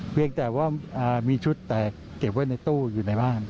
เพียงแต่ว่ามีชุดแต่เก็บไว้ในตู้อยู่ในบ้าน